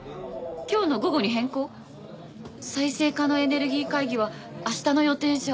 再生可能エネルギー会議は明日の予定じゃ。